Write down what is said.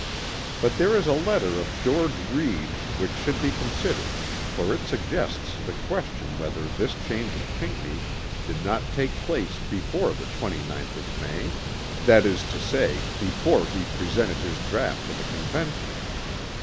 But there is a letter of George Read which should be considered, for it suggests the question whether this change of Pinckney did not take place before the 29th of May; that is to say before he presented his draught to the Convention.